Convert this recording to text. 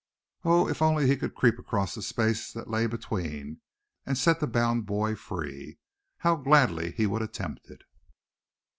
Oh! if only he could creep across the space that lay between, and set the bound boy free, how gladly would he attempt it.